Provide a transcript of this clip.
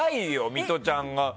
ミトちゃんが。